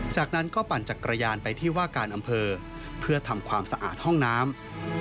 จากนั้นก็ปั่นจักรยานไปที่ว่าการอำเภอเพื่อทำความสะอาดห้องน้ำ